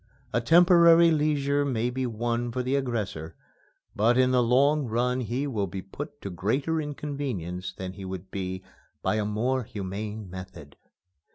A temporary leisure may be won for the aggressor, but in the long run he will be put to greater inconvenience than he would be by a more humane method.